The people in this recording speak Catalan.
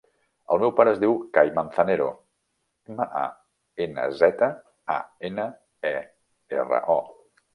El meu pare es diu Cai Manzanero: ema, a, ena, zeta, a, ena, e, erra, o.